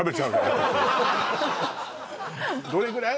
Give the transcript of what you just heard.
私どれぐらい？